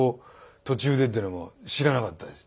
途中でっていうのも知らなかったです。